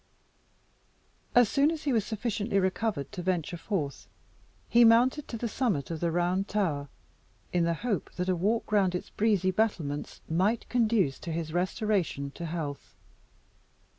As soon as he was sufficiently recovered to venture forth, he mounted to the summit of the Round Tower, in the hope that a walk round its breezy battlements might conduce to his restoration to health.